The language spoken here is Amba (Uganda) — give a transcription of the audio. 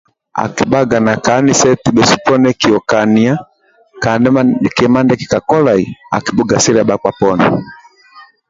Akibhaga ka anise eti bhesu poni kiokania Kandi kima ndili kakolai akibhugasilia bhakpa poni